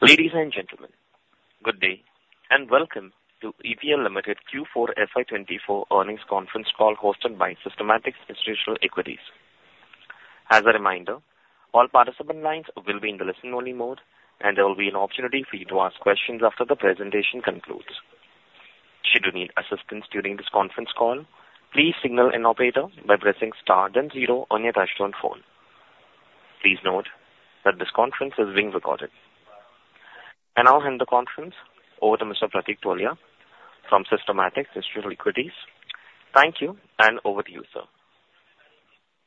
Ladies and gentlemen, good day, and welcome to EPL Limited Q4 FY 2024 Earnings Conference Call, hosted by Systematix Institutional Equities. As a reminder, all participant lines will be in the listen-only mode, and there will be an opportunity for you to ask questions after the presentation concludes. Should you need assistance during this conference call, please signal an operator by pressing star then zero on your touchtone phone. Please note that this conference is being recorded. I now hand the conference over to Mr. Pratik Tholiya from Systematix Institutional Equities. Thank you, and over to you, sir.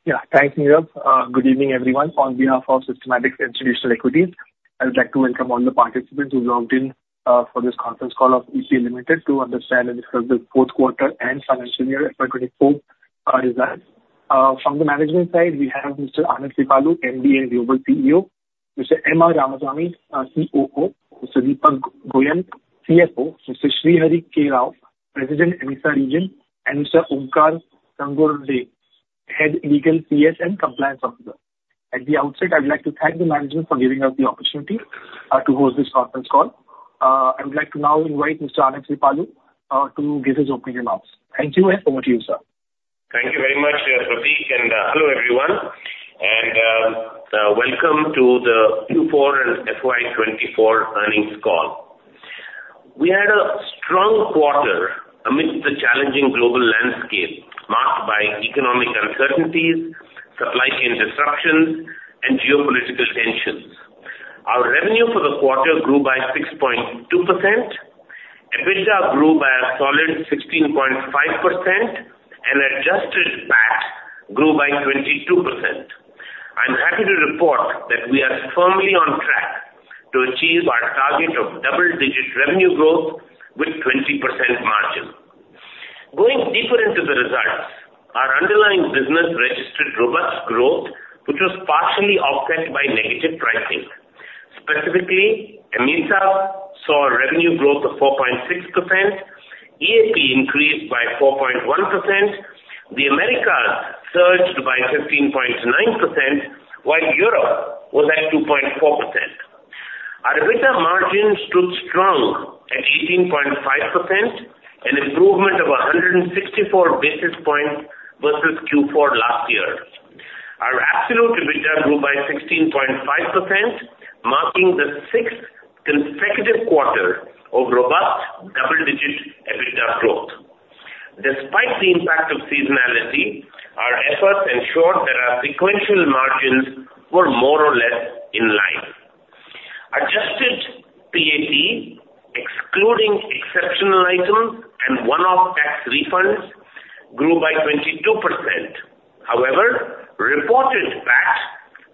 Yeah. Thanks, Neeraj. Good evening, everyone. On behalf of Systematix Institutional Equities, I would like to welcome all the participants who logged in for this conference call of EPL Limited to understand and discuss the fourth quarter and financial year FY 2024 results. From the management side, we have Mr. Anand Kripalu, MD and Global CEO, Mr. M. R. Ramasamy, COO, Mr. Deepak Goyal, CFO, Mr. Srihari K. Rao, President, AMESA Region, and Mr. Omkar Ghangurde, Head, Legal, CS, and Compliance Officer. At the outset, I would like to thank the management for giving us the opportunity to host this conference call. I would like to now invite Mr. Anand Kripalu to give his opening remarks. Thank you, and over to you, sir. Thank you very much, Pratik, and hello, everyone, and welcome to the Q4 and FY 2024 Earnings Call. We had a strong quarter amidst the challenging global landscape marked by economic uncertainties, supply chain disruptions, and geopolitical tensions. Our revenue for the quarter grew by 6.2%, EBITDA grew by a solid 16.5%, and adjusted PAT grew by 22%. I'm happy to report that we are firmly on track to achieve our target of double-digit revenue growth with 20% margin. Going deeper into the results, our underlying business registered robust growth, which was partially offset by negative pricing. Specifically, AMESA saw a revenue growth of 4.6%, EAP increased by 4.1%, the Americas surged by 15.9%, while Europe was at 2.4%. Our EBITDA margin stood strong at 18.5%, an improvement of 164 basis points versus Q4 last year. Our absolute EBITDA grew by 16.5%, marking the 6th consecutive quarter of robust double-digit EBITDA growth. Despite the impact of seasonality, our efforts ensured that our sequential margins were more or less in line. Adjusted PAT, excluding exceptional items and one-off tax refunds, grew by 22%. However, reported PAT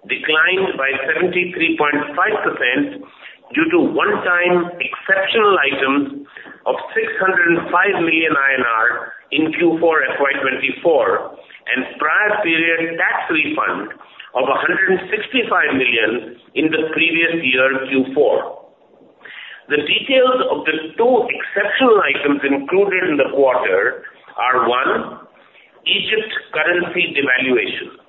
declined by 73.5% due to one-time exceptional items of 605 million INR in Q4 FY 2024, and prior period tax refund of 165 million in the previous year, Q4. The details of the two exceptional items included in the quarter are, one, Egypt currency devaluation.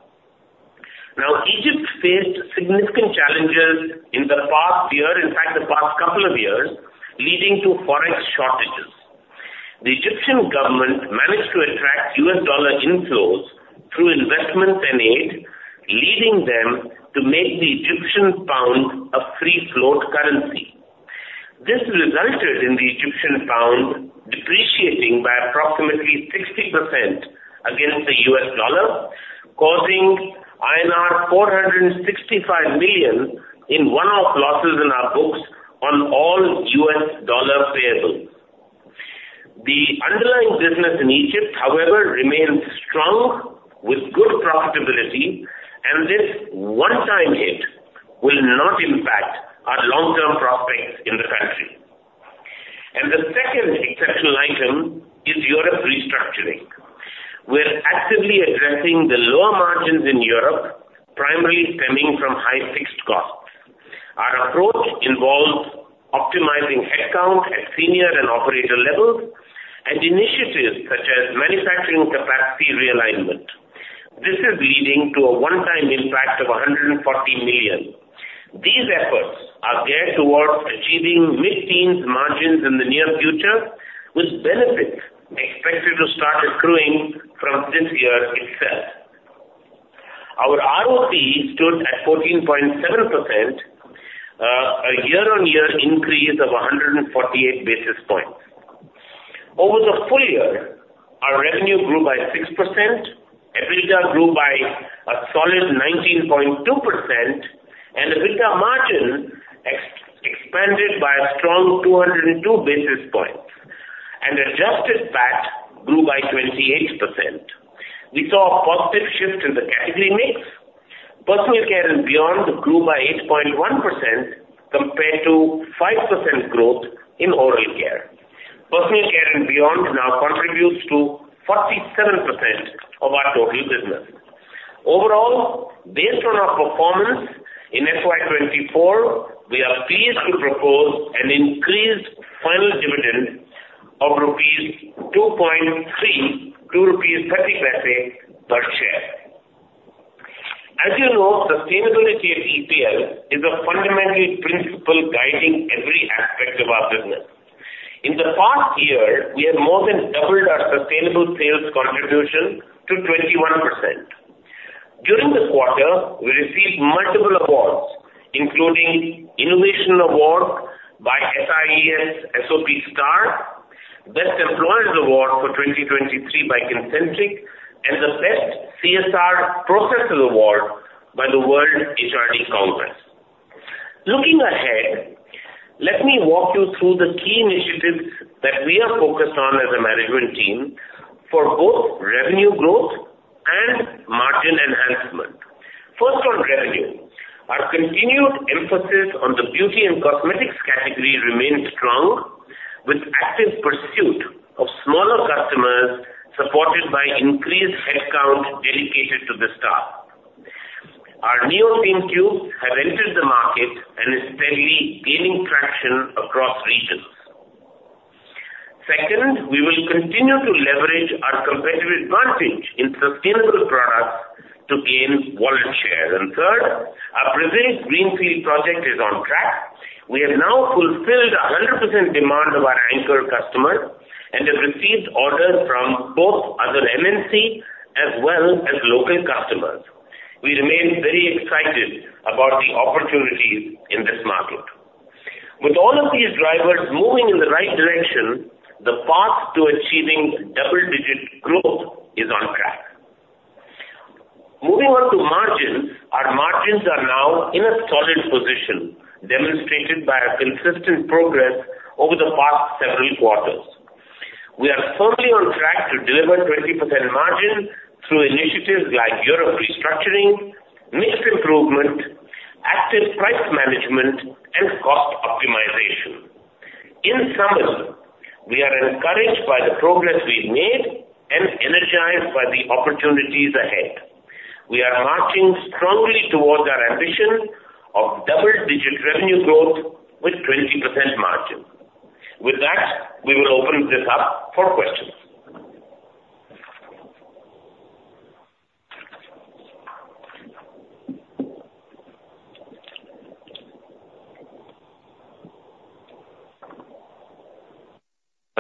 Now, Egypt faced significant challenges in the past year, in fact, the past couple of years, leading to forex shortages. The Egyptian government managed to attract US dollar inflows through investment and aid, leading them to make the Egyptian pound a free float currency. This resulted in the Egyptian pound depreciating by approximately 60% against the US dollar, causing INR 465 million in one-off losses in our books on all US dollar payables. The underlying business in Egypt, however, remains strong with good profitability, and this one-time hit will not impact our long-term prospects in the country. The second exceptional item is Europe restructuring. We're actively addressing the lower margins in Europe, primarily stemming from high fixed costs. Our approach involves optimizing headcount at senior and operator levels and initiatives such as manufacturing capacity realignment. This is leading to a one-time impact of 140 million. These efforts are geared towards achieving mid-teens margins in the near future, with benefits expected to start accruing from this year itself. Our ROCE stood at 14.7%, a year-on-year increase of 148 basis points. Over the full year, our revenue grew by 6%, EBITDA grew by a solid 19.2%, and EBITDA margin expanded by a strong 202 basis points, and adjusted PAT grew by 28%. We saw a positive shift in the category mix. Personal care and beyond grew by 8.1% compared to 5% growth in oral care. Personal care and beyond now contributes to 47% of our total business. Overall, based on our performance in FY 2024, we are pleased to propose an increase, INR 2.32 per share. As you know, sustainability at EPL is a fundamental principle guiding every aspect of our business. In the past year, we have more than doubled our sustainable sales contribution to 21%. During this quarter, we received multiple awards, including Innovation Award by SIES SOP Star, Best Employers Award for 2023 by Kincentric, and the Best CSR Processes Award by the World HR Congress. Looking ahead, let me walk you through the key initiatives that we are focused on as a management team for both revenue growth and margin enhancement. First, on revenue, our continued emphasis on the beauty and cosmetics category remains strong, with active pursuit of smaller customers, supported by increased headcount dedicated to the staff. Our NeoSeam have entered the market and is steadily gaining traction across regions. Second, we will continue to leverage our competitive advantage in sustainable products to gain wallet share. And third, our Brazil greenfield project is on track. We have now fulfilled 100% demand of our anchor customer and have received orders from both other MNC as well as local customers. We remain very excited about the opportunities in this market. With all of these drivers moving in the right direction, the path to achieving double-digit growth is on track. Moving on to margins. Our margins are now in a solid position, demonstrated by a consistent progress over the past several quarters. We are firmly on track to deliver 20% margin through initiatives like Europe restructuring, mix improvement, active price management, and cost optimization. In summary, we are encouraged by the progress we've made and energized by the opportunities ahead. We are marching strongly towards our ambition of double-digit revenue growth with 20% margin. With that, we will open this up for questions.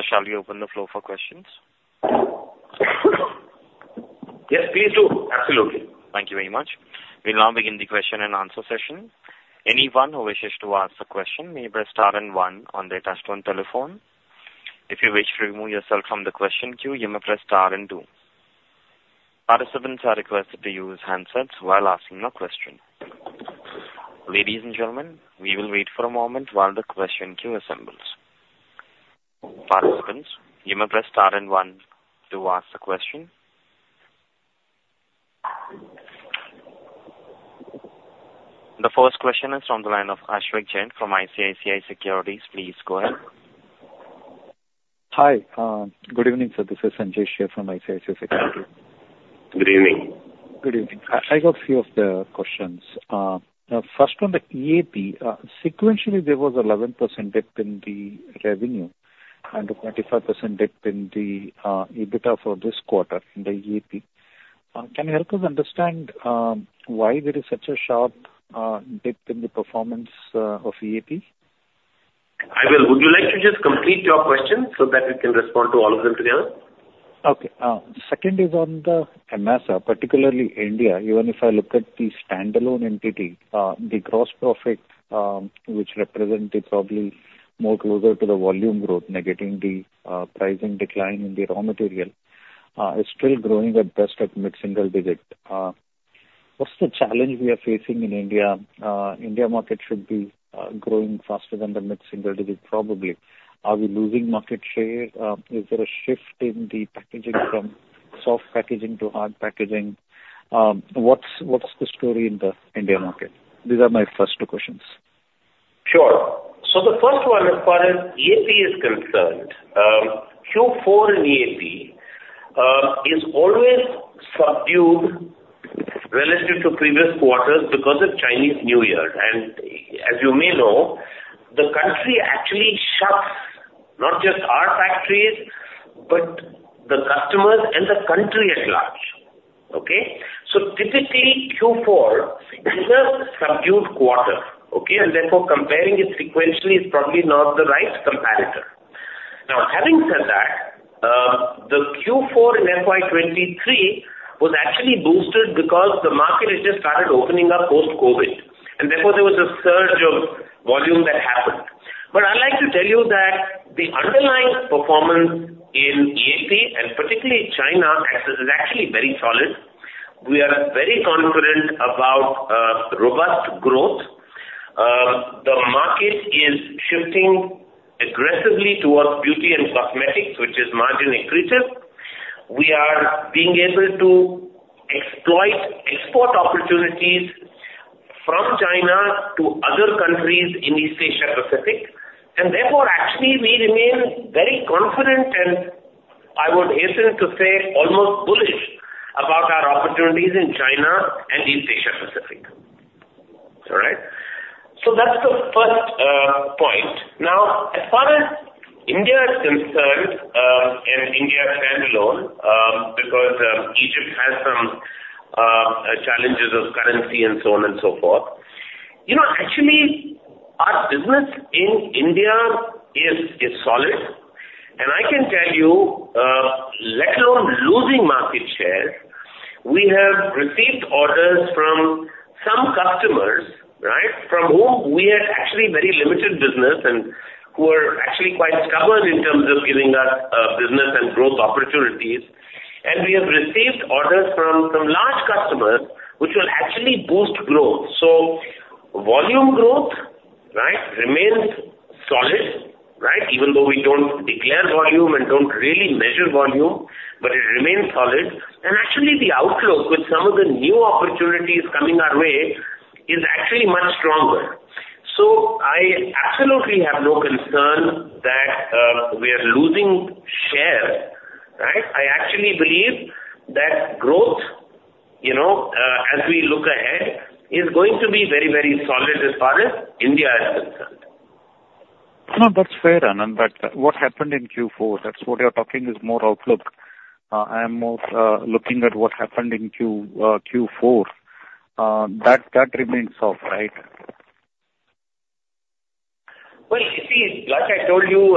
Shall we open the floor for questions? Yes, please do. Absolutely. Thank you very much. We'll now begin the question and answer session. Anyone who wishes to ask a question may press star and one on their touchtone telephone. If you wish to remove yourself from the question queue, you may press star and two. Participants are requested to use handsets while asking a question. Ladies and gentlemen, we will wait for a moment while the question queue assembles. Participants, you may press star and one to ask a question. The first question is from the line of Ashvik Jain from ICICI Securities. Please go ahead. Hi, good evening, sir. This is Sanjesh Jain from ICICI Securities. Good evening. Good evening. I got few of the questions. First, on the EAP, sequentially, there was 11% dip in the revenue and a 25% dip in the EBITDA for this quarter in the EAP. Can you help us understand why there is such a sharp dip in the performance of EAP? Would you like to just complete your question so that we can respond to all of them together? Okay. Second is on the AMESA, particularly India. Even if I look at the standalone entity, the gross profit, which represent it probably more closer to the volume growth, negating the, pricing decline in the raw material, is still growing at best at mid-single digit. What's the challenge we are facing in India? India market should be, growing faster than the mid-single digit, probably. Are we losing market share? Is there a shift in the packaging from soft packaging to hard packaging? What's, what's the story in the India market? These are my first two questions. Sure. So the first one, as far as EAP is concerned, Q4 in EAP is always subdued relative to previous quarters because of Chinese New Year. And as you may know, the country actually shuts, not just our factories, but the customers and the country at large. Okay? So typically, Q4 is a subdued quarter, okay, and therefore, comparing it sequentially is probably not the right comparator. Now, having said that, the Q4 in FY 2023 was actually boosted because the market had just started opening up post-COVID, and therefore there was a surge of volume that happened. But I'd like to tell you that the underlying performance in EAP, and particularly China, is actually very solid. We are very confident about robust growth. The market is shifting aggressively towards beauty and cosmetics, which is margin accretive. We are being able to exploit export opportunities from China to other countries in East Asia Pacific, and therefore, actually we remain very confident, and I would hasten to say, almost bullish about our opportunities in China and East Asia Pacific. Now, as far as India is concerned, and India standalone, because Egypt has some challenges of currency and so on and so forth. You know, actually, our business in India is solid, and I can tell you, let alone losing market share, we have received orders from some customers, right? From whom we had actually very limited business and who are actually quite stubborn in terms of giving us business and growth opportunities. And we have received orders from some large customers, which will actually boost growth. So volume growth, right, remains solid, right? Even though we don't declare volume and don't really measure volume, but it remains solid. Actually, the outlook with some of the new opportunities coming our way is actually much stronger. I absolutely have no concern that we are losing share, right? I actually believe that growth, you know, as we look ahead, is going to be very, very solid as far as India is concerned. No, that's fair, Anand, but what happened in Q4? That's what you're talking is more outlook. I am more looking at what happened in Q4. That remains soft, right? Well, you see, like I told you,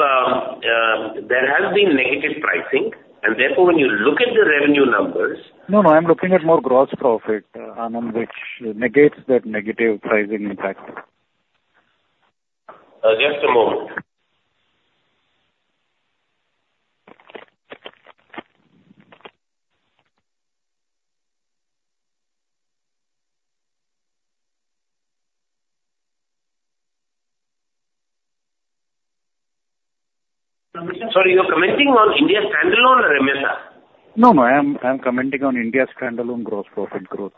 there has been negative pricing, and therefore, when you look at the revenue numbers- No, no, I'm looking at more gross profit, Anand, which negates that negative pricing impact. Just a moment. Sorry, you're commenting on India standalone or AMESA? No, no, I'm, I'm commenting on India standalone gross profit growth.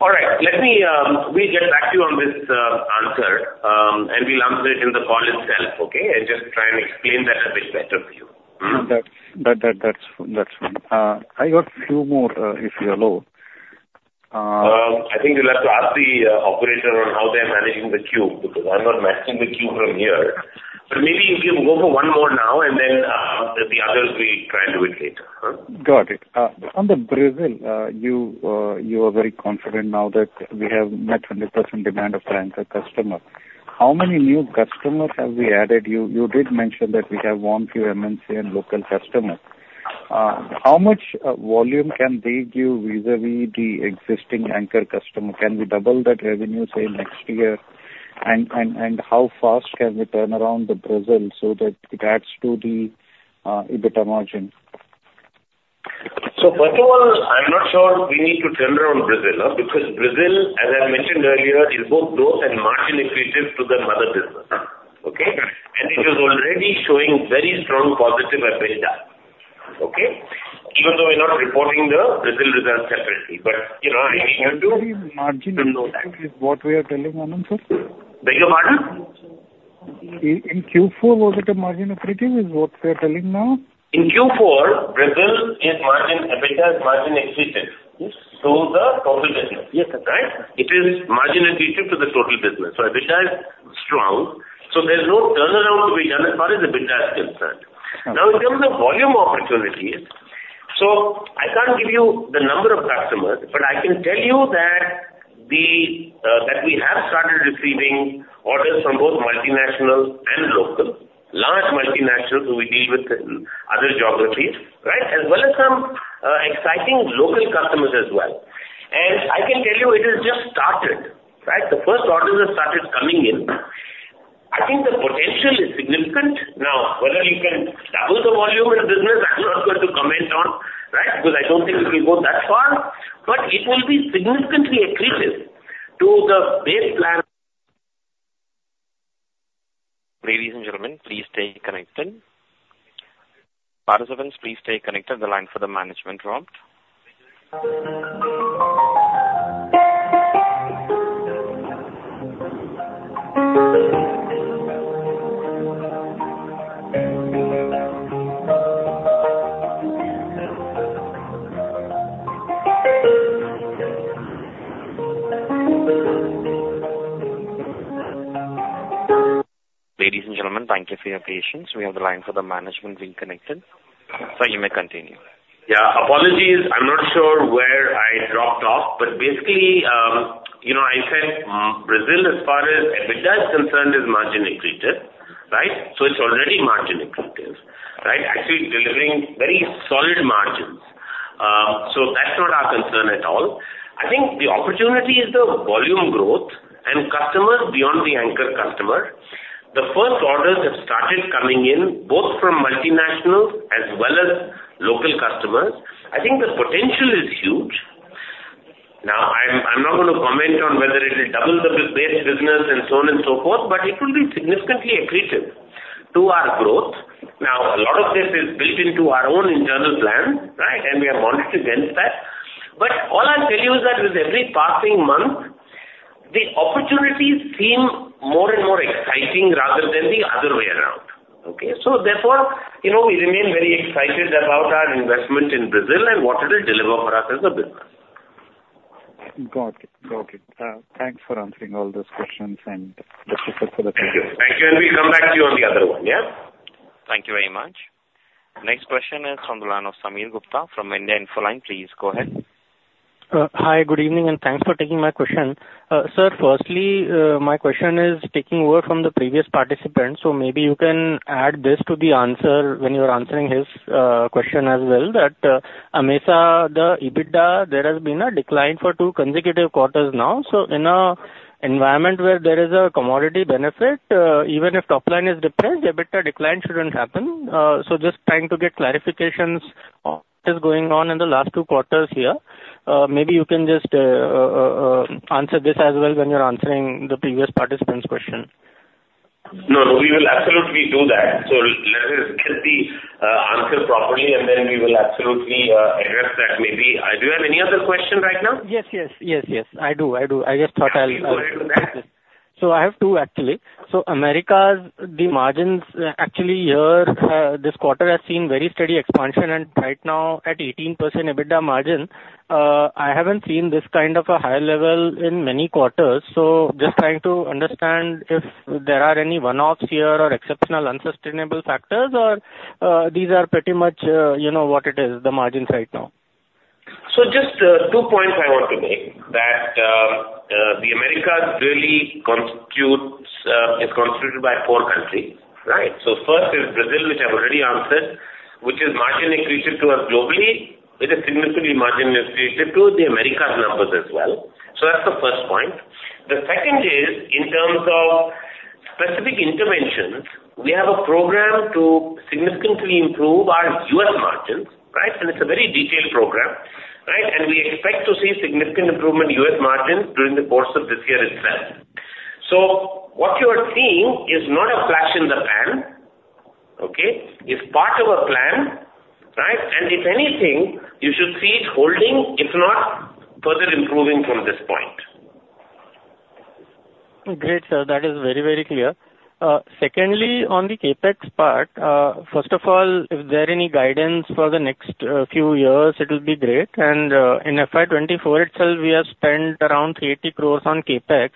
All right. Let me. We'll get back to you on this answer, and we'll answer it in the call itself, okay? And just try and explain that a bit better to you. Mm-hmm. That's fine. I have a few more, if you allow. I think you'll have to ask the operator on how they're managing the queue, because I'm not managing the queue from here. But maybe you can go for one more now, and then the others, we try and do it later. Got it. On the Brazil, you, you are very confident now that we have met 100% demand of the anchor customer. How many new customers have we added? You, you did mention that we have won few MNC and local customers. How much, volume can they give vis-à-vis the existing anchor customer? Can we double that revenue, say, next year? And how fast can we turn around the Brazil so that it adds to the, EBITDA margin? So first of all, I'm not sure we need to turn around Brazil, because Brazil, as I mentioned earlier, is both growth and margin accretive to the mother business, okay? And it is already showing very strong positive EBITDA, okay? Even though we're not reporting the Brazil results separately. But, you know, I think we have to- Margin accretive is what we are telling, Anand, sir? Beg your pardon. In Q4, was it a margin accretive? Is what we are telling now? In Q4, Brazil is margin, EBITDA is margin accretive- Yes. to the total business. Yes, sir. Right? It is margin accretive to the total business. So EBITDA is strong, so there's no turnaround to be done as far as the EBITDA is concerned. Okay. Now, in terms of volume opportunity, so I can't give you the number of customers, but I can tell you that we have started receiving orders from both multinational and local, large multinationals who we deal with in other geographies, right? As well as some exciting local customers as well. I can tell you it has just started, right? The first orders have started coming in. I think the potential is significant. Now, whether you can double the volume of the business, I'm not going to comment on, right? Because I don't think we can go that far, but it will be significantly accretive to the base plan. Ladies and gentlemen, please stay connected. Participants, please stay connected. The line for the management dropped. Ladies and gentlemen, thank you for your patience. We have the line for the management being connected. Sir, you may continue. Yeah, apologies. I'm not sure where I dropped off, but basically, you know, I said, Brazil, as far as EBITDA is concerned, is margin accretive, right? So it's already margin accretive, right? Actually delivering very solid margins. So that's not our concern at all. I think the opportunity is the volume growth and customers beyond the anchor customer. The first orders have started coming in, both from multinationals as well as local customers. I think the potential is huge. Now, I'm not going to comment on whether it will double the base business and so on and so forth, but it will be significantly accretive to our growth. Now, a lot of this is built into our own internal plan, right? And we have monitored against that. But all I'll tell you is that with every passing month, the opportunities seem more and more exciting rather than the other way around, okay? So therefore, you know, we remain very excited about our investment in Brazil and what it will deliver for us as a business. Got it. Got it. Thanks for answering all those questions, and just look for the- Thank you. Thank you, and we come back to you on the other one, yeah? Thank you very much. Next question is from the line of Sameer Gupta from India Infoline. Please go ahead. Hi, good evening, and thanks for taking my question. Sir, firstly, my question is taking over from the previous participant, so maybe you can add this to the answer when you are answering his question as well, that AMESA, the EBITDA, there has been a decline for two consecutive quarters now. So in an environment where there is a commodity benefit, even if top line is depressed, EBITDA decline shouldn't happen. So just trying to get clarifications on what is going on in the last two quarters here. Maybe you can just answer this as well when you're answering the previous participant's question. No, no, we will absolutely do that. So let us get the answer properly, and then we will absolutely address that maybe. Do you have any other question right now? Yes, yes. Yes, yes, I do. I do. I just thought I'll- Please go ahead with that. So I have two, actually. So Americas, the margins, actually here, this quarter has seen very steady expansion and right now at 18% EBITDA margin. I haven't seen this kind of a high level in many quarters, so just trying to understand if there are any one-offs here or exceptional unsustainable factors, or, these are pretty much, you know, what it is, the margins right now. So just two points I want to make, that the Americas really constitutes, is constituted by four countries, right? So first is Brazil, which I've already answered, which is margin accretive to us globally. It is significantly margin accretive to the Americas numbers as well. So that's the first point. The second is, in terms of specific interventions, we have a program to significantly improve our U.S. margins, right? And it's a very detailed program, right? And we expect to see significant improvement in U.S. margins during the course of this year itself. So what you are seeing is not a flash in the pan, okay? It's part of a plan, right? And if anything, you should see it holding, if not further improving from this point. Great, sir. That is very, very clear. Secondly, on the CapEx part, first of all, if there are any guidance for the next few years, it will be great. And, in FY 2024 itself, we have spent around 3 crore on CapEx.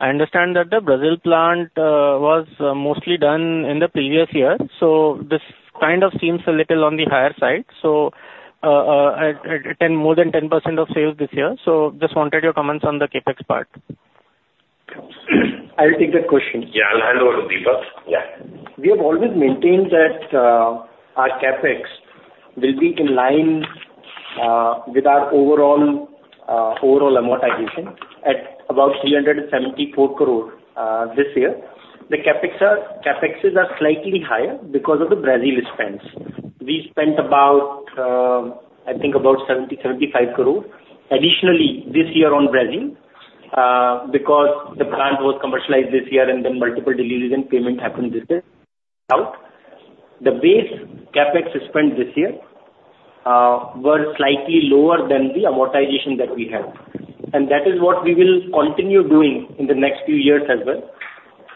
I understand that the Brazil plant was mostly done in the previous year, so this kind of seems a little on the higher side. So, 10, more than 10% of sales this year. So just wanted your comments on the CapEx part. I will take that question. Yeah, I'll hand over to Deepak. Yeah. We have always maintained that our CapEx will be in line with our overall amortization at about 374 crore this year. The CapExes are slightly higher because of the Brazil spends. We spent about, I think, about 70-75 crore additionally this year on Brazil because the plant was commercialized this year and then multiple deliveries and payments happened this year out. The base CapEx spent this year were slightly lower than the amortization that we have, and that is what we will continue doing in the next few years as well.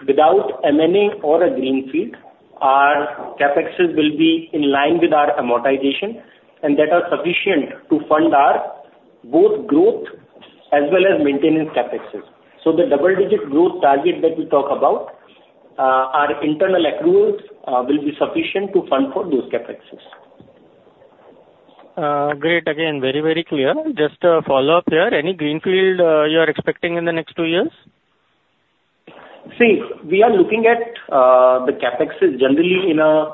Without M&A or a greenfield, our CapExes will be in line with our amortization, and that are sufficient to fund our both growth as well as maintenance CapExes. So the double-digit growth target that we talk about, our internal accruals, will be sufficient to fund for those CapExes. Great. Again, very, very clear. Just a follow-up here: Any greenfield you are expecting in the next two years? See, we are looking at the CapExes generally in a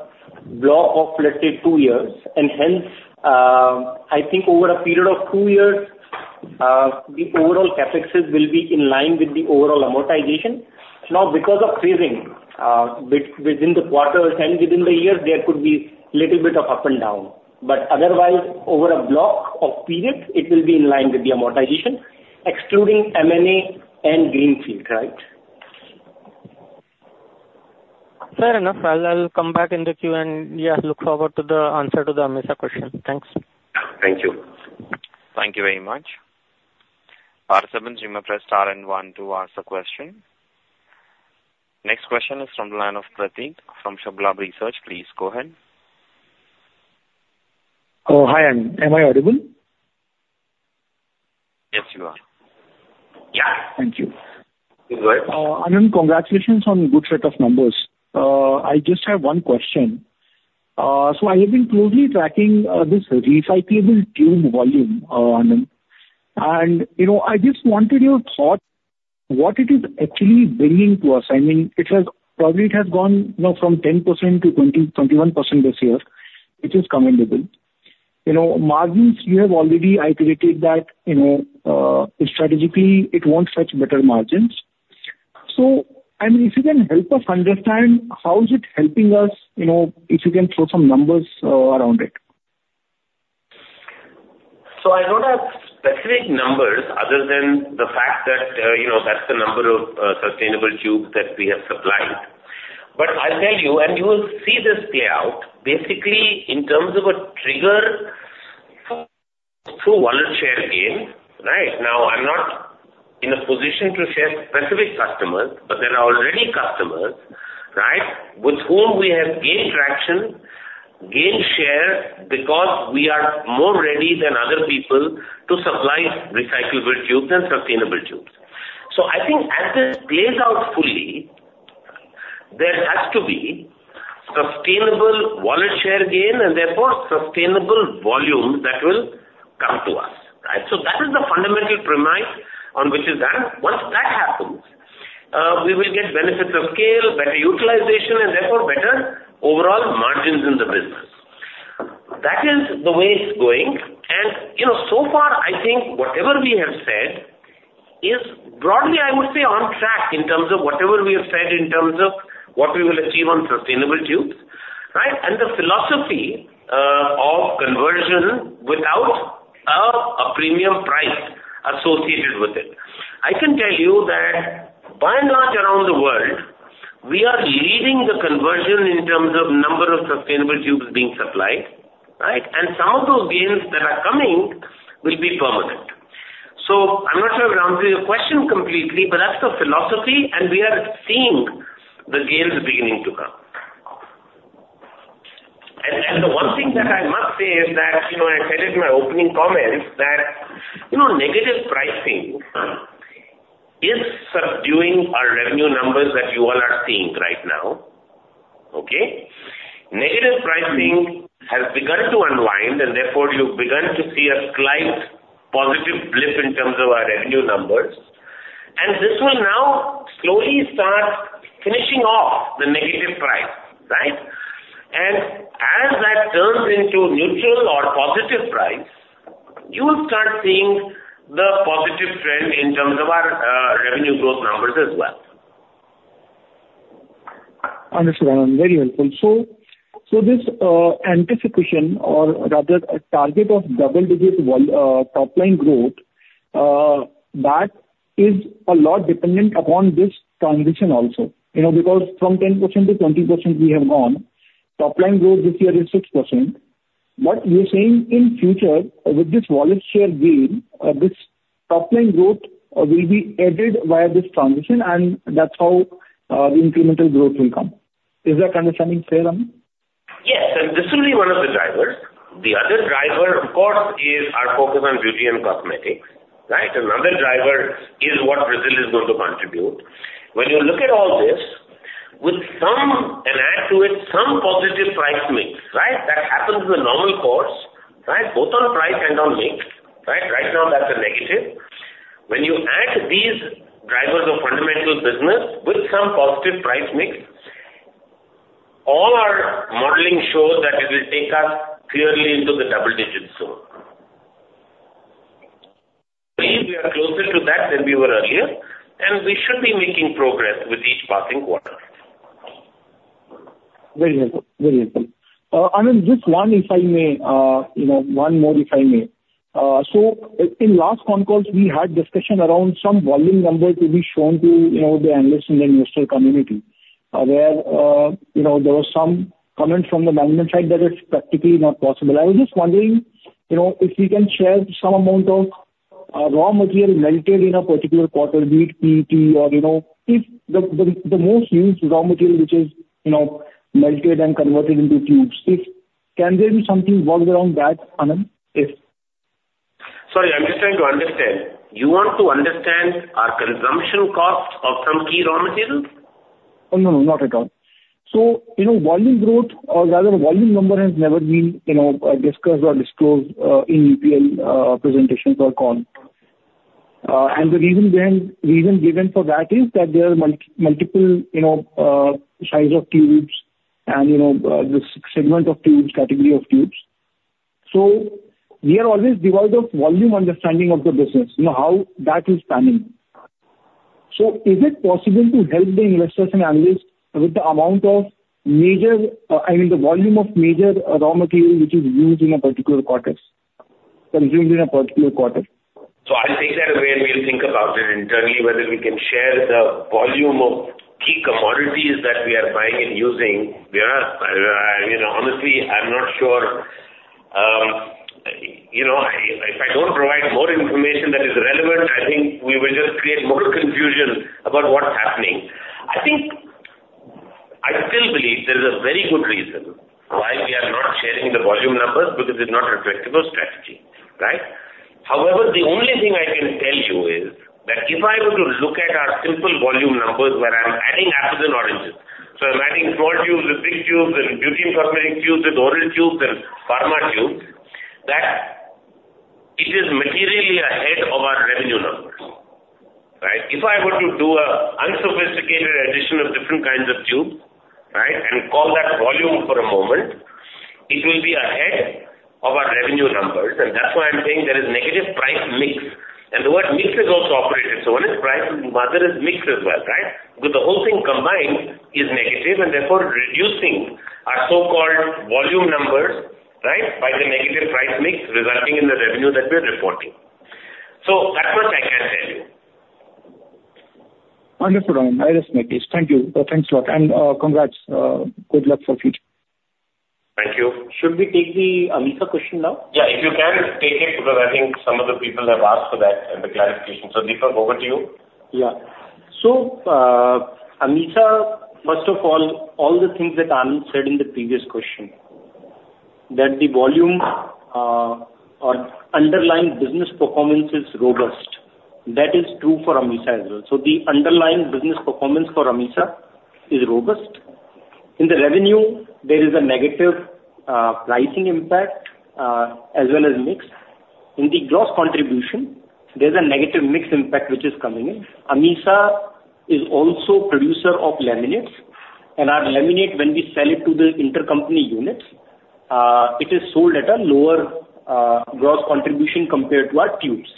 block of let's say two years, and hence, I think over a period of two years, the overall CapExes will be in line with the overall amortization. Now, because of phasing, within the quarters and within the years, there could be little bit of up and down, but otherwise, over a block of periods, it will be in line with the amortization, excluding M&A and greenfield, right? Fair enough. I'll, come back in the queue, and, yeah, look forward to the answer to the AMESA question. Thanks. Thank you. Thank you very much. Participants, you may press star and one to ask a question. Next question is from the line of Prateek from Shubhkam Ventures. Please go ahead. Hi, Anand. Am I audible? Yes, you are. Yeah. Thank you. You go ahead. Anand, congratulations on good set of numbers. I just have one question. So I have been closely tracking this recyclable tube volume, Anand, and, you know, I just wanted your thoughts, what it is actually bringing to us. I mean, it has, probably it has gone, you know, from 10% to 20%-21% this year, which is commendable. You know, margins, you have already iterated that, you know, strategically, it won't fetch better margins. So, I mean, if you can help us understand, how is it helping us, you know, if you can throw some numbers around it? So I don't have specific numbers other than the fact that, you know, that's the number of sustainable tubes that we have supplied. But I'll tell you, and you will see this play out, basically, through wallet share gain, right? Now, I'm not in a position to share specific customers, but there are already customers, right, with whom we have gained traction, gained share, because we are more ready than other people to supply recyclable tubes and sustainable tubes. So I think as this plays out fully, there has to be sustainable wallet share gain and therefore, sustainable volume that will come to us, right? So that is the fundamental premise on which is that. Once that happens, we will get benefits of scale, better utilization, and therefore better overall margins in the business. That is the way it's going. You know, so far, I think whatever we have said is broadly, I would say, on track in terms of whatever we have said, in terms of what we will achieve on sustainable tubes, right? And the philosophy of conversion without a premium price associated with it. I can tell you that by and large, around the world, we are leading the conversion in terms of number of sustainable tubes being supplied, right? And some of those gains that are coming will be permanent. So I'm not sure I've answered your question completely, but that's the philosophy, and we are seeing the gains beginning to come. And the one thing that I must say is that, you know, I said it in my opening comments, that, you know, negative pricing is subduing our revenue numbers that you all are seeing right now. Okay? Negative pricing has begun to unwind, and therefore, you've begun to see a slight positive blip in terms of our revenue numbers. This will now slowly start finishing off the negative price, right? As that turns into neutral or positive price, you will start seeing the positive trend in terms of our revenue growth numbers as well. Understood, Anand. Very helpful. So, this anticipation or rather, a target of double digit top line growth, that is a lot dependent upon this transition also. You know, because from 10% to 20%, we have gone. Top line growth this year is 6%. But you're saying in future, with this wallet share gain, this top line growth will be aided via this transition, and that's how the incremental growth will come. Is that understanding fair, Anand? Yes, and this will be one of the drivers. The other driver, of course, is our focus on beauty and cosmetics, right? Another driver is what Brazil is going to contribute. When you look at all this, with some, and add to it some positive price mix, right? That happens in the normal course, right, both on price and on mix, right? Right now, that's a negative. When you add these drivers of fundamental business with some positive price mix, all our modeling shows that it will take us clearly into the double digits soon. Believe we are closer to that than we were earlier, and we should be making progress with each passing quarter. Very helpful. Very helpful. Anand, just one if I may, you know, one more, if I may. So in last concalls, we had discussion around some volume numbers to be shown to, you know, the analysts in the investor community. Where, you know, there was some comment from the management side that it's practically not possible. I was just wondering, you know, if we can share some amount of raw material melted in a particular quarter, be it PET or, you know, if the most used raw material, which is, you know, melted and converted into tubes. Can there be something worked around that, Anand? If- Sorry, I'm just trying to understand. You want to understand our consumption cost of some key raw materials? Oh, no, not at all. So, you know, volume growth or rather volume number has never been, you know, discussed or disclosed in EPL presentations or call. And the reason then, reason given for that is that there are multiple, you know, size of tubes and, you know, the segment of tubes, category of tubes. So we are always devoid of volume understanding of the business, you know, how that is panning. So is it possible to help the investors and analysts with the amount of major, I mean, the volume of major raw material which is used in a particular quarters, consumed in a particular quarter? So I'll take that away, and we'll think about it internally, whether we can share the volume of key commodities that we are buying and using. Where, you know, honestly, I'm not sure. You know, I, if I don't provide more information that is relevant, I think we will just create more confusion about what's happening. I think, I still believe there is a very good reason why we are not sharing the volume numbers, because it's not reflective of strategy, right? However, the only thing I can tell you is, that if I were to look at our simple volume numbers, where I'm adding apples and oranges, so I'm adding laminated tubes, lipstick tubes, and beauty and cosmetic tubes and oral tubes and pharma tubes, that it is materially ahead of our revenue numbers, right? If I were to do an unsophisticated addition of different kinds of tubes, right, and call that volume for a moment, it will be ahead of our revenue numbers. And that's why I'm saying there is negative price mix. And the word mix is also operating. So one is price, and the other is mix as well, right? But the whole thing combined is negative, and therefore reducing our so-called volume numbers, right, by the negative price mix, resulting in the revenue that we are reporting. So at a- Understood, Arun. I respect this. Thank you. Thanks a lot, and, congrats. Good luck for future. Thank you. Should we take the Americas question now? Yeah, if you can take it, because I think some of the people have asked for that and the clarification. So, Deepak, over to you. Yeah. So, Americas, first of all, all the things that Arun said in the previous question, that the volume, or underlying business performance is robust. That is true for Americas as well. So the underlying business performance for Americas is robust. In the revenue, there is a negative, pricing impact, as well as mix. In the gross contribution, there's a negative mix impact which is coming in. Americas is also producer of laminates, and our laminate, when we sell it to the intercompany units, it is sold at a lower, gross contribution compared to our tubes.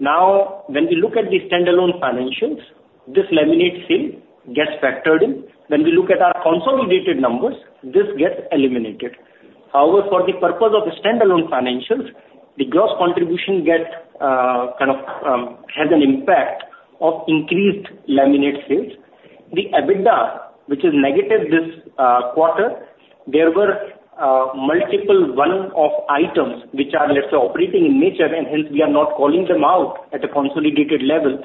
Now, when we look at the standalone financials, this laminate sale gets factored in. When we look at our consolidated numbers, this gets eliminated. However, for the purpose of the standalone financials, the gross contribution gets, kind of, has an impact of increased laminate sales. The EBITDA, which is negative this quarter, there were multiple one-off items which are, let's say, operating in nature, and hence we are not calling them out at a consolidated level.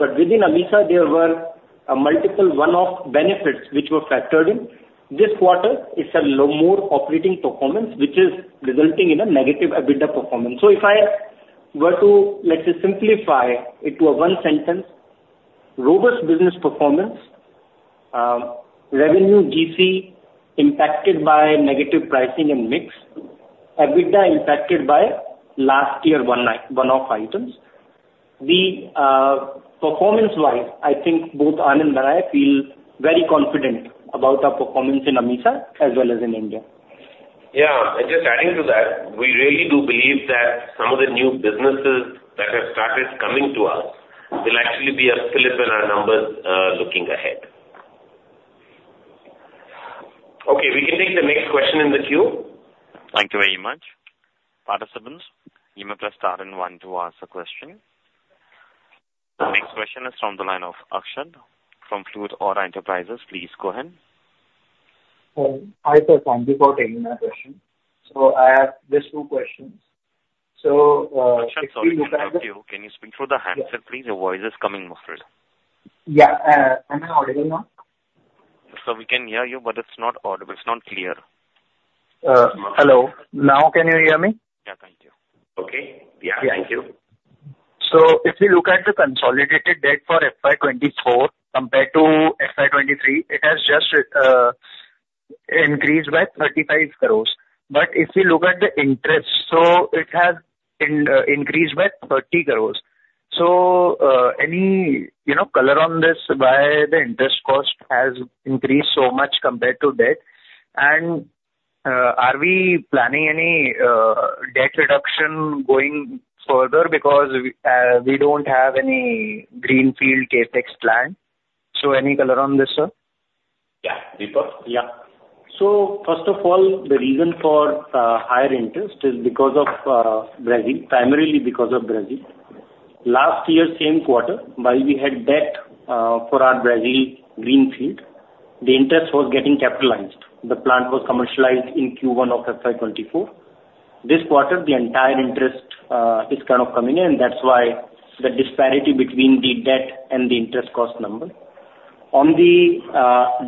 But within Americas, there were multiple one-off benefits which were factored in. This quarter is a more operating performance, which is resulting in a negative EBITDA performance. So if I were to, let's say, simplify it to a one sentence, robust business performance, revenue GC impacted by negative pricing and mix, EBITDA impacted by last year one-off items. We performance-wise, I think both Anand and I feel very confident about our performance in Americas as well as in India. Yeah, and just adding to that, we really do believe that some of the new businesses that have started coming to us will actually be a flip in our numbers, looking ahead. Okay, we can take the next question in the queue. Thank you very much. Participants, you may press star and one to ask a question. The next question is from the line of Akshat Khetan from Florintree Advisors. Please go ahead. Hi, sir. Thank you for taking my question. So I have just two questions. So, Akshat, sorry, we can't hear you. Can you speak through the handset, please? Your voice is coming muffled. Yeah, am I audible now? Sir, we can hear you, but it's not audible. It's not clear. Hello. Now can you hear me? Yeah. Thank you. Okay. Yeah, thank you. So if you look at the consolidated debt for FY 2024 compared to FY 2023, it has just increased by 35 crore. But if you look at the interest, so it has increased by 30 crore. So any, you know, color on this, why the interest cost has increased so much compared to debt? And are we planning any debt reduction going further? Because we don't have any greenfield CapEx plan. So any color on this, sir? Yeah. Deepak? Yeah. So first of all, the reason for higher interest is because of Brazil, primarily because of Brazil. Last year, same quarter, while we had debt for our Brazil greenfield, the interest was getting capitalized. The plant was commercialized in Q1 of FY 2024. This quarter, the entire interest is kind of coming in, and that's why the disparity between the debt and the interest cost number. On the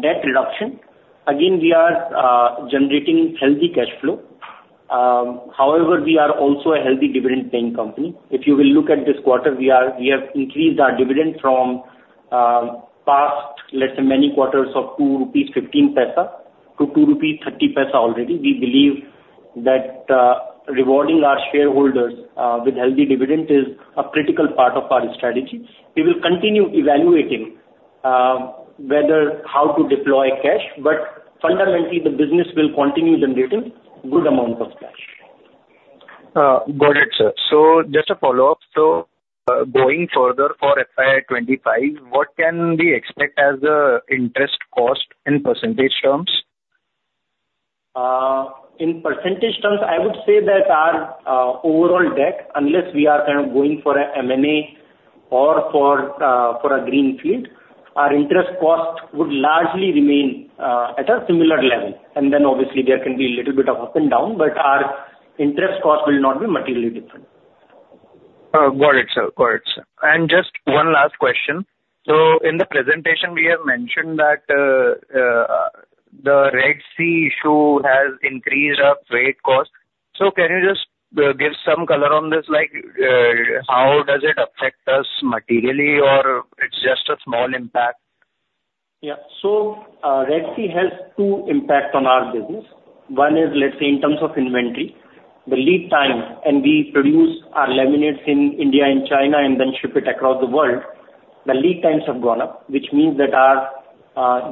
debt reduction, again, we are generating healthy cash flow. However, we are also a healthy dividend-paying company. If you will look at this quarter, we have increased our dividend from past, let's say, many quarters of 2.15 rupees to 2.30 rupees already. We believe that rewarding our shareholders with healthy dividend is a critical part of our strategy. We will continue evaluating whether how to deploy cash, but fundamentally, the business will continue generating good amount of cash. Got it, sir. So just a follow-up: so, going further for FY 25, what can we expect as a interest cost in percentage terms? In percentage terms, I would say that our overall debt, unless we are kind of going for a M&A or for a greenfield, our interest cost would largely remain at a similar level, and then obviously there can be a little bit of up and down, but our interest cost will not be materially different. Got it, sir. Got it, sir. And just one last question: so in the presentation, we have mentioned that the Red Sea issue has increased our freight cost. So can you just give some color on this, like how does it affect us materially or it's just a small impact? Yeah. So, Red Sea has 2 impacts on our business. One is, let's say, in terms of inventory, the lead time, and we produce our laminates in India and China and then ship it across the world. The lead times have gone up, which means that our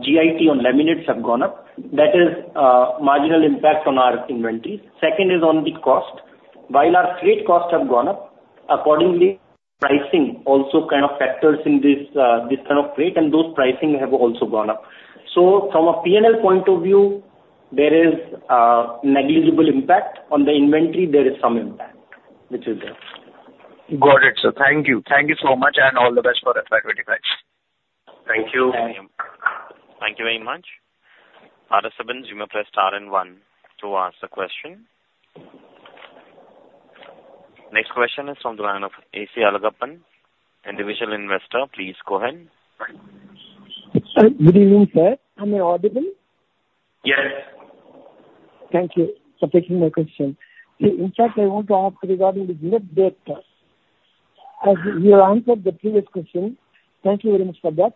GIT on laminates have gone up. That is marginal impact on our inventory. Second is on the cost. While our freight costs have gone up, accordingly, pricing also kind of factors in this, this kind of freight, and those pricing have also gone up. So from a P&L point of view, there is a negligible impact. On the inventory, there is some impact. Got it, sir. Thank you. Thank you so much, and all the best for FY 25. Thank you. Thank you very much. Operator, you may press star and one to ask the question. Next question is from the line of A.C. Alagappan, individual investor. Please go ahead. Good evening, sir. Am I audible? Yes. Thank you for taking my question. In fact, I want to ask regarding the inaudible. As you answered the previous question, thank you very much for that.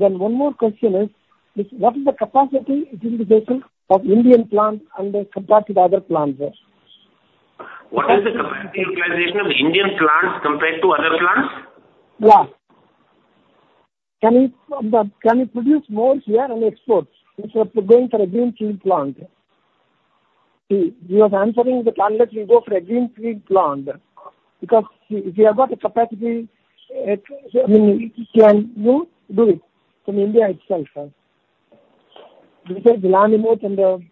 Then one more question is, which, what is the capacity utilization of Indian plant under compared to the other plants there? What is the capacity utilization of Indian plants compared to other plants? Yeah. Can you, can you produce more here and export instead of going for a greenfield plant? See, you are answering that, unless you go for a greenfield plant, because if you have got the capacity, I mean, can you do it from India itself, sir? Because the laminate and the-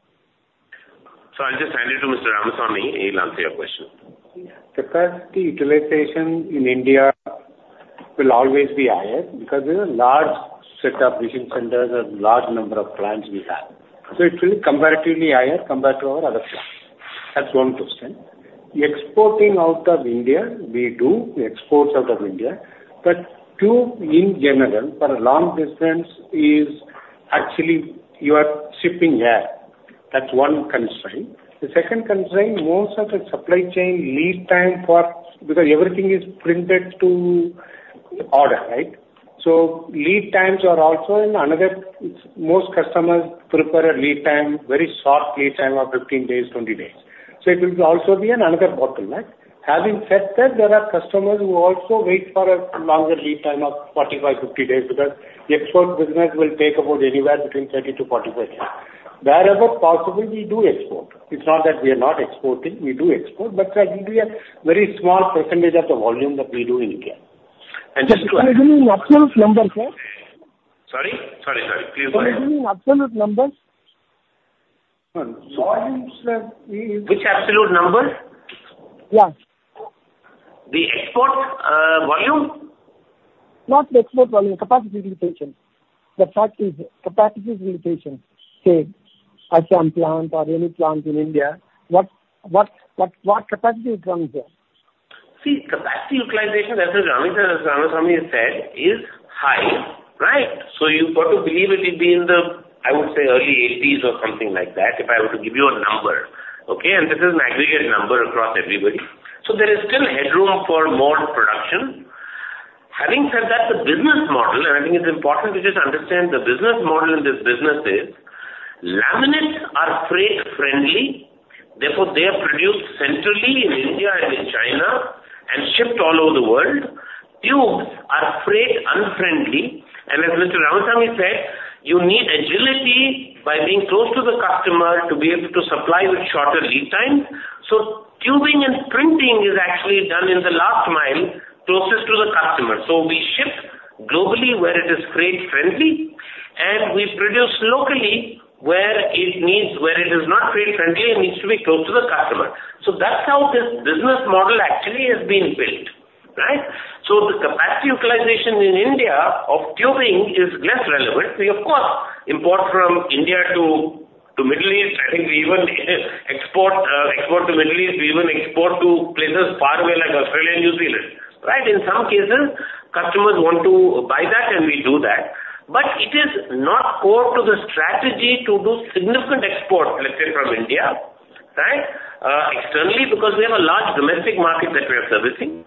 I'll just hand it to Mr. Ramasamy. He'll answer your question. The capacity utilization in India will always be higher, because there is a large set of distribution centers and large number of plants we have. So it will be comparatively higher compared to our other plants. That's one question. Exporting out of India, we do exports out of India, but tube in general, for a long distance, is actually you are shipping air. That's one constraint. The second constraint, most of the supply chain lead time because everything is printed to order, right? So lead times are also another, most customers prefer a lead time, very short lead time of 15 days, 20 days. So it will also be another bottleneck, right? Having said that, there are customers who also wait for a longer lead time of 45, 50 days, because the export business will take about anywhere between 30-45 days. Wherever possible, we do export. It's not that we are not exporting. We do export, but that will be a very small percentage of the volume that we do in India. And just to- Can you give me absolute numbers, sir? Sorry? Sorry, sorry. Please go ahead. Can you give me absolute numbers? Which absolute number? The export volume? Not the export volume, capacity utilization. The fact is, capacity utilization, say, of some plant or any plant in India, what capacity is running there? See, capacity utilization, as Ramasamy has said, is high, right? So you've got to believe it will be in the, I would say, early 80s or something like that, if I were to give you a number. Okay? And this is an aggregate number across everybody. So there is still headroom for more production. Having said that, the business model, and I think it's important to just understand the business model in this business is, laminates are freight-friendly, therefore, they are produced centrally in India and in China and shipped all over the world. Tubes are freight unfriendly, and as Mr. Ramasamy said, you need agility by being close to the customer to be able to supply with shorter lead time. So tubing and printing is actually done in the last mile closest to the customer. So we ship globally where it is freight friendly, and we produce locally where it needs, where it is not freight friendly and needs to be close to the customer. So that's how this business model actually has been built, right? So the capacity utilization in India of tubing is less relevant. We of course import from India to Middle East. I think we even export to Middle East. We even export to places far away, like Australia and New Zealand, right? In some cases, customers want to buy that, and we do that. But it is not core to the strategy to do significant exports, let's say, from India, right, externally, because we have a large domestic market that we are servicing.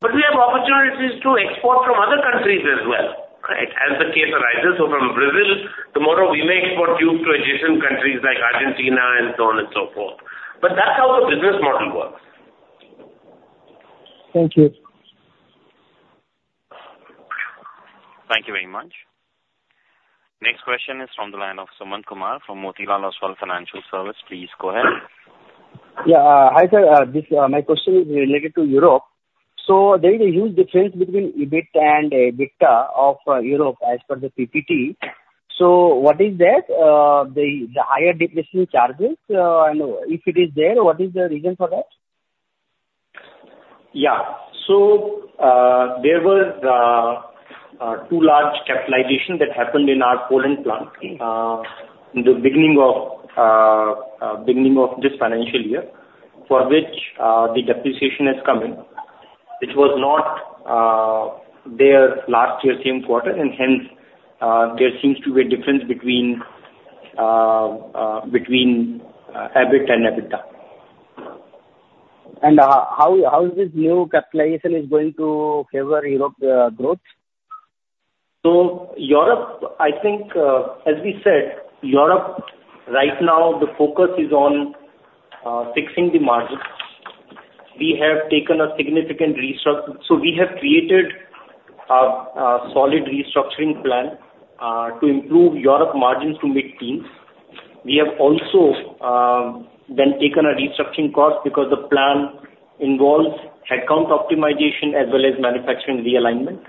But we have opportunities to export from other countries as well, right, as the case arises. So from Brazil, tomorrow, we may export tubes to adjacent countries like Argentina and so on and so forth. But that's how the business model works. Thank you. Thank you very much. Next question is from the line of Sumant Kumar from Motilal Oswal Financial Services. Please go ahead. Yeah. Hi, sir. This, my question is related to Europe. So there is a huge difference between EBIT and EBITDA of Europe as per the PPT. So what is that? The higher depreciation charges, and if it is there, what is the reason for that? Yeah. So, there was two large capitalization that happened in our Poland plant, in the beginning of this financial year, for which the depreciation has come in. It was not there last year, same quarter, and hence, there seems to be a difference between EBIT and EBITDA. How is this new capital allocation going to favor Europe growth? So Europe, I think, as we said, Europe right now, the focus is on fixing the margins. We have taken a significant restructure. So we have created a solid restructuring plan to improve Europe margins to mid-teens. We have also then taken a restructuring cost because the plan involves headcount optimization as well as manufacturing realignment.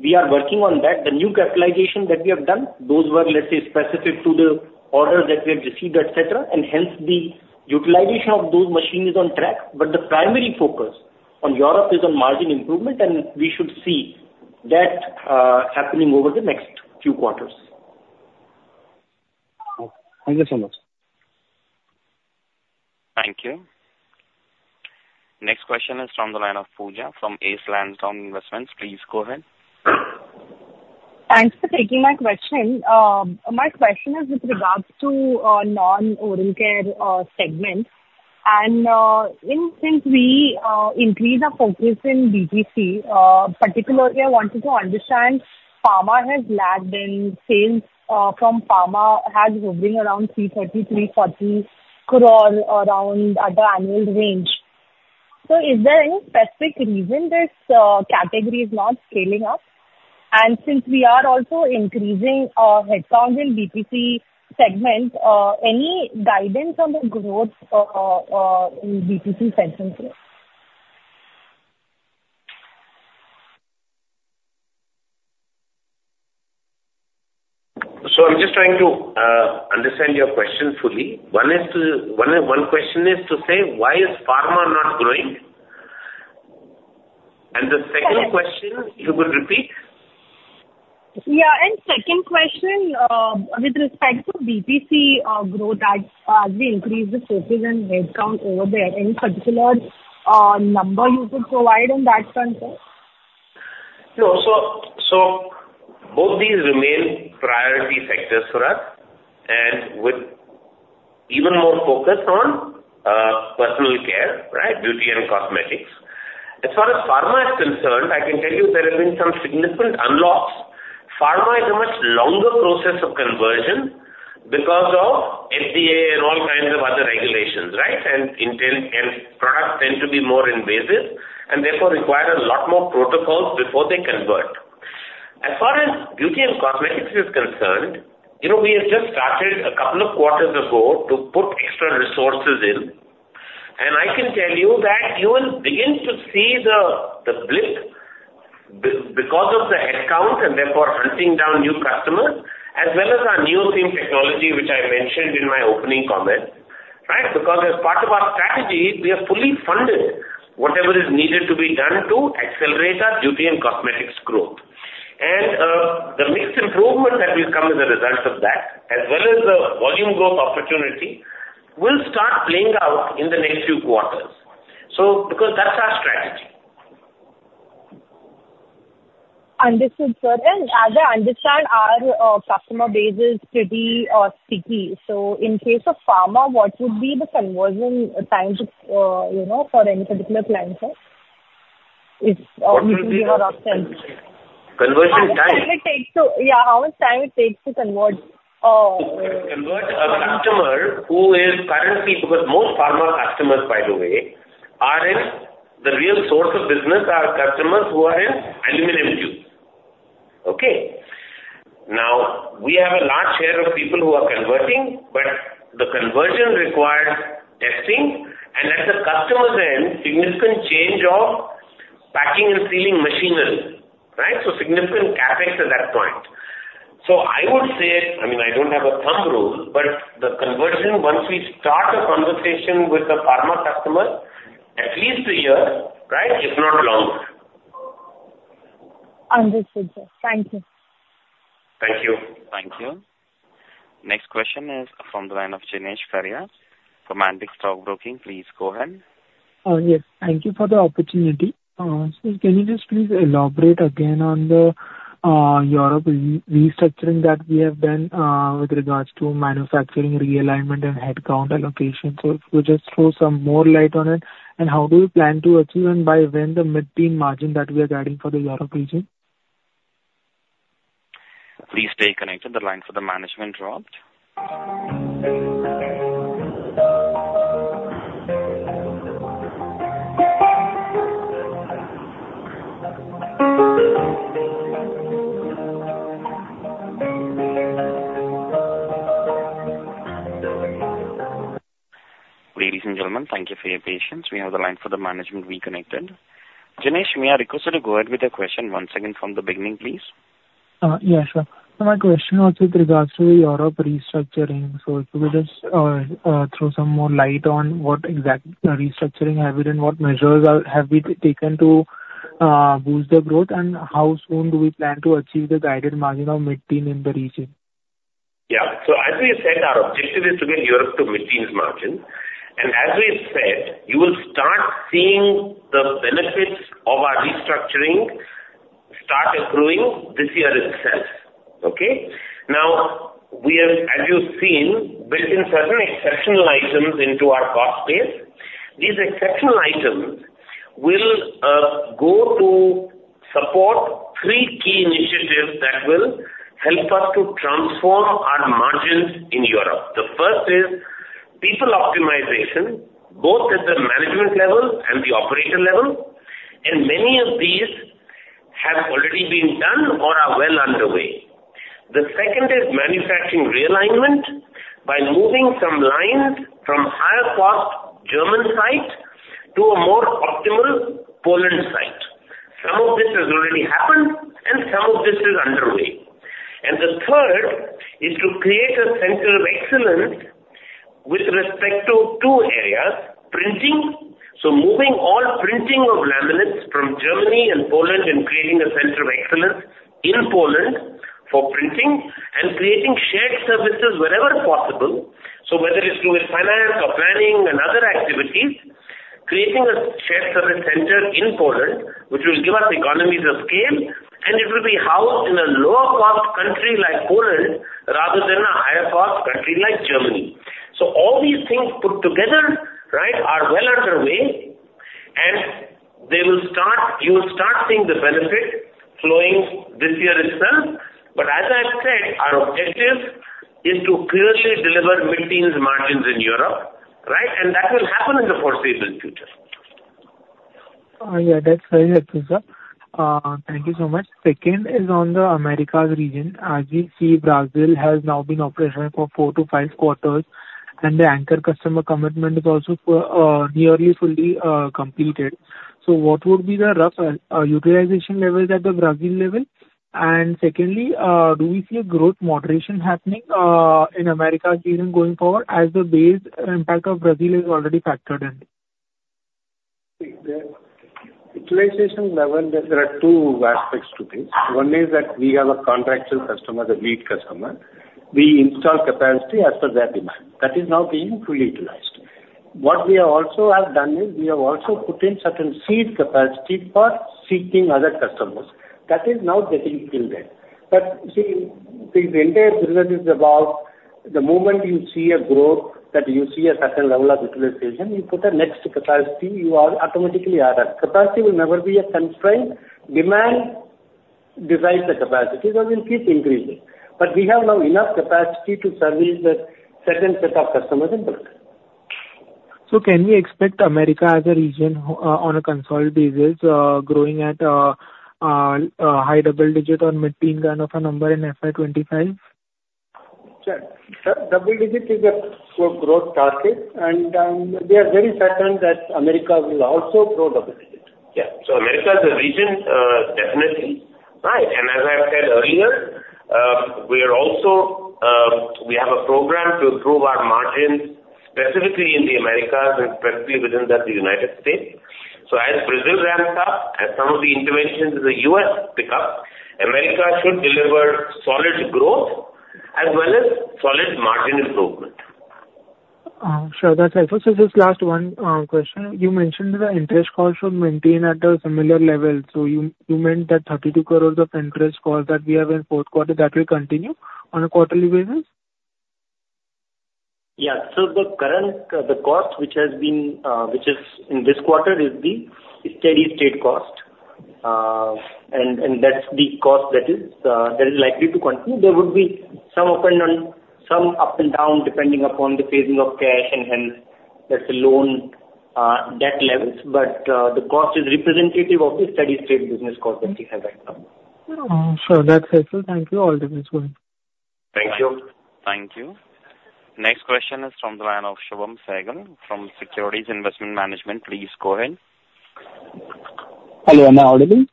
We are working on that. The new capitalization that we have done, those were, let's say, specific to the order that we have received, et cetera, and hence the utilization of those machines is on track. But the primary focus on Europe is on margin improvement, and we should see that happening over the next few quarters. Okay. Thank you so much. Thank you. Next question is from the line of Pooja, from Ace Lansdowne Investments. Please go ahead. Thanks for taking my question. My question is with regards to non-oral care segment, and in since we increase our focus in B&C, particularly, I wanted to understand, pharma has lagged in sales, from pharma has hovering around 330-340 crore around at the annual range. So is there any specific reason this category is not scaling up? And since we are also increasing our headcount in B&C segment, any guidance on the growth in B&C segment here? So I'm just trying to understand your question fully. One question is to say, why is pharma not growing? And the second question, you could repeat. Yeah, and second question, with respect to B&C, growth, as we increase the focus and headcount over there, any particular number you could provide on that front, too? No. So, so both these remain priority sectors for us, and with even more focus on, personal care, right, beauty and cosmetics. As far as pharma is concerned, I can tell you there have been some significant unlocks. Pharma is a much longer process of conversion because of FDA and all kinds of other regulations, right? And intent, and products tend to be more invasive, and therefore require a lot more protocols before they convert. As far as beauty and cosmetics is concerned, you know, we have just started a couple of quarters ago to put extra resources in. And I can tell you that you will begin to see the, the blip because of the headcount, and therefore hunting down new customers, as well as our new SIM technology, which I mentioned in my opening comment, right? Because as part of our strategy, we have fully funded whatever is needed to be done to accelerate our beauty and cosmetics growth. And, the mix improvement that will come as a result of that, as well as the volume growth opportunity, will start playing out in the next few quarters. So, because that's our strategy. Understood, sir. As I understand, our customer base is pretty sticky. In case of pharma, what would be the conversion time to, you know, for any particular client, sir? It's usually a reset. Conversion time? How much time it takes to convert? To convert a customer who is currently, because most pharma customers, by the way, are in the real source of business, are customers who are in aluminum tubes. Okay? Now, we have a large share of people who are converting, but the conversion requires testing, and at the customer's end, significant change of packing and sealing machinery, right? So significant CapEx at that point. So I would say, I mean, I don't have a thumb rule, but the conversion, once we start a conversation with a pharma customer, at least a year, right, if not longer. Understood, sir. Thank you. Thank you. Thank you. Next question is from the line of Jenish Karia, from Antique Stock Broking. Please go ahead. Yes. Thank you for the opportunity. So can you just please elaborate again on the Europe restructuring that we have done with regards to manufacturing realignment and headcount allocation? So if you just throw some more light on it, and how do you plan to achieve, and by when the mid-teens margin that we are guiding for the Europe region? Please stay connected. The line for the management dropped. Ladies and gentlemen, thank you for your patience. We have the line for the management reconnected. Jinesh, may I request you to go ahead with your question once again from the beginning, please. Yes, sure. So my question was with regards to the Europe restructuring. So if you could just throw some more light on what exact restructuring have been, what measures are, have been taken to boost the growth, and how soon do we plan to achieve the guided margin of mid-teens in the region? Yeah. So as we said, our objective is to get Europe to mid-teens margin. And as we said, you will start seeing the benefits of our restructuring start accruing this year itself. Okay? Now, we have, as you've seen, built in certain exceptional items into our cost base. These exceptional items will go to support three key initiatives that will help us to transform our margins in Europe. The first is people optimization, both at the management level and the operation level, and many of these have already been done. The second is manufacturing realignment, by moving some lines from higher cost German site to a more optimal Poland site. Some of this has already happened and some of this is underway. And the third is to create a center of excellence with respect to two areas: printing, so moving all printing of laminates from Germany and Poland, and creating a center of excellence in Poland for printing, and creating shared services wherever possible. So whether it's through finance or planning and other activities, creating a shared service center in Poland, which will give us economies of scale, and it will be housed in a lower cost country like Poland, rather than a higher cost country like Germany. So all these things put together, right, are well underway, and they will start, you will start seeing the benefit flowing this year itself. But as I've said, our objective is to consistently deliver mid-teens margins in Europe, right? And that will happen in the foreseeable future. Yeah, that's very helpful, sir. Thank you so much. Second is on the Americas region. As we see, Brazil has now been operational for 4-5 quarters, and the anchor customer commitment is also nearly fully completed. So what would be the rough utilization levels at the Brazil level? And secondly, do we see a growth moderation happening in Americas region going forward as the base impact of Brazil is already factored in? The utilization level, there are two aspects to this. One is that we have a contractual customer, the lead customer. We install capacity as per their demand. That is now being fully utilized. What we have also done is, we have also put in certain seed capacity for seeking other customers. That is now getting filled in. But see, the entire business is about the moment you see a growth, that you see a certain level of utilization, you put a next capacity, you are automatically add up. Capacity will never be a constraint. Demand drives the capacity, so we'll keep increasing. But we have now enough capacity to service a certain set of customers in Brazil. Can we expect Americas as a region, on a consolidated basis, growing at a high double-digit or mid-teens kind of a number in FY25? Sir, sir, double-digit is a core growth target, and, we are very certain that America will also grow double-digit. Yeah. So America as a region, definitely, right? And as I've said earlier, we are also, we have a program to improve our margins, specifically in the Americas, and specifically within the United States. So as Brazil ramps up and some of the interventions in the US pick up, America should deliver solid growth as well as solid margin improvement. Sure, that's helpful. So just last one, question. You mentioned the interest cost should maintain at a similar level. So you, you meant that 32 crore of interest cost that we have in fourth quarter, that will continue on a quarterly basis? Yeah. So the current, the cost, which has been, which is in this quarter, is the steady state cost. And, and that's the cost that is, that is likely to continue. There would be some up and down, some up and down, depending upon the phasing of cash and, and that's the loan, debt levels. But, the cost is representative of the steady state business cost that we have right now. Oh, sure, that's helpful. Thank you. All depends going. Thank you. Thank you. Next question is from the line of Shubham Sehgal from Securities Investment Management. Please go ahead. Hello, am I audible?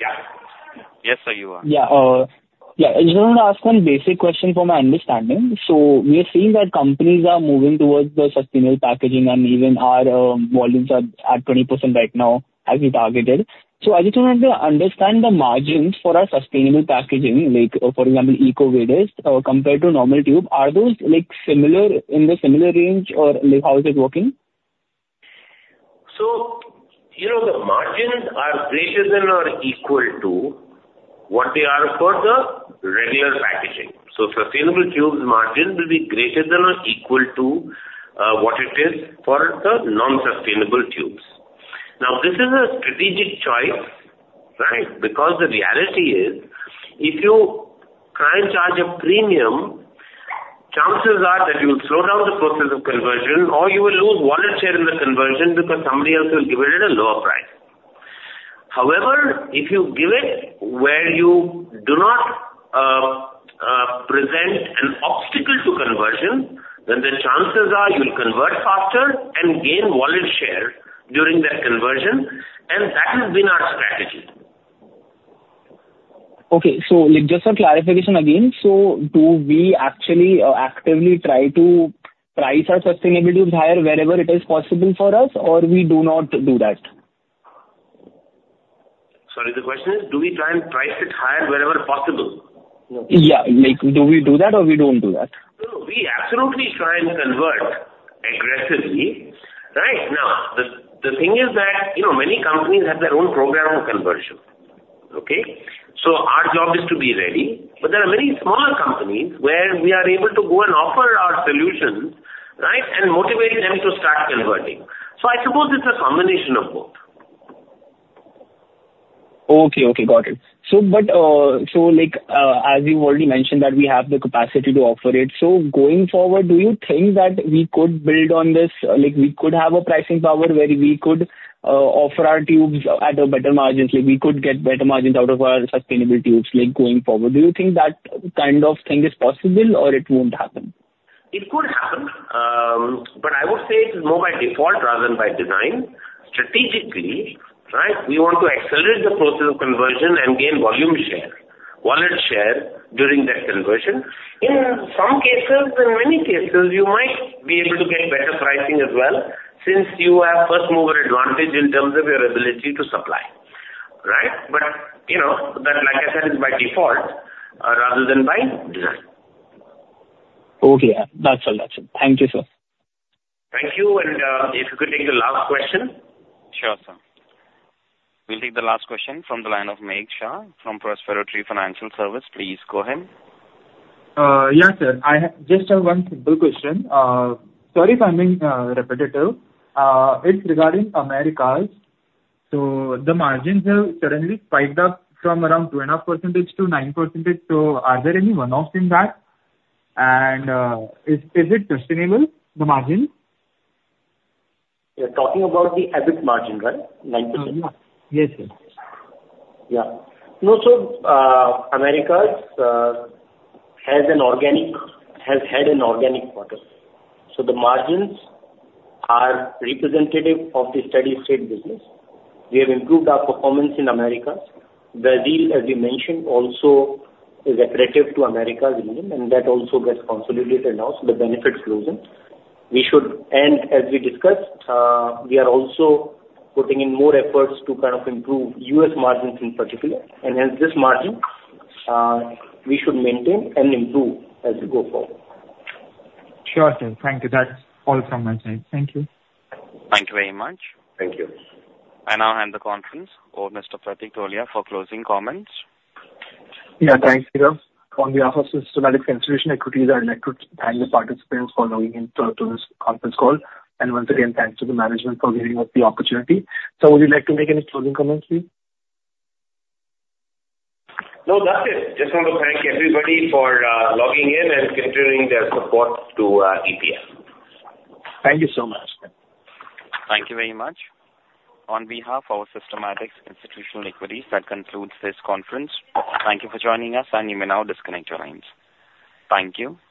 Yeah. Yes, sir, you are. Yeah, yeah, I just want to ask one basic question for my understanding. So we are seeing that companies are moving towards the sustainable packaging, and even our volumes are at 20% right now, as we targeted. So I just wanted to understand the margins for our sustainable packaging, like, for example, EcoVadis, compared to normal tube. Are those, like, similar, in the similar range, or, like, how is it working? So, you know, the margins are greater than or equal to what they are for the regular packaging. So sustainable tubes margin will be greater than or equal to, what it is for the non-sustainable tubes. Now, this is a strategic choice, right? Because the reality is, if you try and charge a premium, chances are that you'll slow down the process of conversion, or you will lose wallet share in the conversion because somebody else will give it at a lower price. However, if you give it where you do not, present an obstacle to conversion, then the chances are you'll convert faster and gain wallet share during that conversion, and that has been our strategy. Okay, so like just for clarification again: So do we actually actively try to price our sustainable tubes higher wherever it is possible for us, or we do not do that? Sorry, the question is, do we try and price it higher wherever possible? Yeah. Like, do we do that or we don't do that? No, we absolutely try and convert aggressively, right? Now, the thing is that, you know, many companies have their own program of conversion, okay? So our job is to be ready. But there are many smaller companies where we are able to go and offer our solutions, right, and motivate them to start converting. So I suppose it's a combination of both. Okay. Okay, got it. So but, so, like, as you've already mentioned, that we have the capacity to offer it. So going forward, do you think that we could build on this, like, we could have a pricing power where we could, offer our tubes at a better margins? Like, we could get better margins out of our sustainable tubes, like, going forward. Do you think that kind of thing is possible or it won't happen? It could happen, but I would say it is more by default rather than by design. Strategically, right, we want to accelerate the process of conversion and gain volume share, wallet share during that conversion. In some cases, in many cases, you might be able to get better pricing as well, since you have first mover advantage in terms of your ability to supply, right? But, you know, that, like I said, is by default, rather than by design. Okay. That's all. That's it. Thank you, sir. Thank you, and, if you could take the last question. Sure, sir. We'll take the last question from the line of Mahek Shah from Prospero Tree. Please go ahead. Yes, sir. I have just one simple question. Sorry if I'm being repetitive. It's regarding Americas. So the margins have suddenly spiked up from around 2.5% to 9%. So are there any one-offs in that? And, is it sustainable, the margin? You're talking about the EBIT margin, right? 9%. Yes, sir. Yeah. No, so, Americas has had an organic quarter, so the margins are representative of the steady state business. We have improved our performance in Americas. Brazil, as you mentioned, also is accretive to Americas unit, and that also gets consolidated now, so the benefit's closing. We should. As we discussed, we are also putting in more efforts to kind of improve U.S. margins in particular. And as this margin, we should maintain and improve as we go forward. Sure thing. Thank you. That's all from my side. Thank you. Thank you very much. Thank you. I now hand the conference over to Mr. Pratik Tholiya for closing comments. Yeah, thanks, Chirag. On behalf of Systematix Institutional Equities, I'd like to thank the participants for logging in to this conference call, and once again, thanks to the management for giving us the opportunity. Sir, would you like to make any closing comments, please? No, that's it. Just want to thank everybody for logging in and continuing their support to EPL. Thank you so much. Thank you very much. On behalf of our Systematix Institutional Equities, that concludes this conference. Thank you for joining us, and you may now disconnect your lines. Thank you.